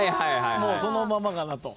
もうそのままかなと。